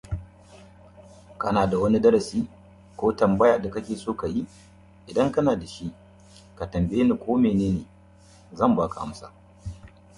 First, Takagi concentrated on getting the basics right and focused on defense.